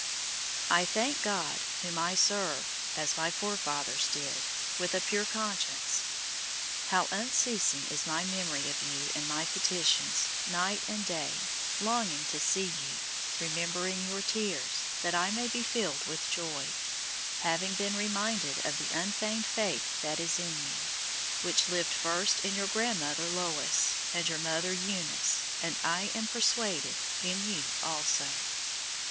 001:003 I thank God, whom I serve as my forefathers did, with a pure conscience. How unceasing is my memory of you in my petitions, night and day 001:004 longing to see you, remembering your tears, that I may be filled with joy; 001:005 having been reminded of the unfeigned faith that is in you; which lived first in your grandmother Lois, and your mother Eunice, and, I am persuaded, in you also.